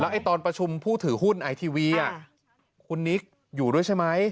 ตอนประชุมผู้ถือหุ้นไอทีวีคุณนิกอยู่ด้วยใช่ไหม